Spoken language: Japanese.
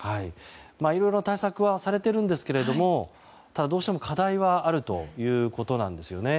いろいろな対策はされていますがどうしても課題はあるということなんですよね。